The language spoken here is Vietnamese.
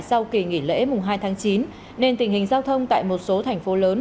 sau kỳ nghỉ lễ mùng hai tháng chín nên tình hình giao thông tại một số thành phố lớn